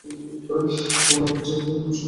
White death আমার সবকিছু কেড়ে নিয়েছিল।